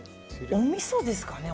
おみそですかね。